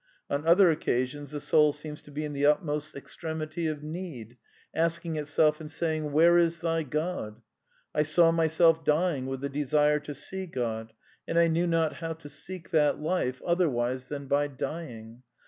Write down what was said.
" On other occasions the soul seems to be in the utmost extremity of need, asking itself and saying. Where is Thy God ?" "I saw myself dying with a desire to see God, and I knew not how to seek that life otherwise than by dying.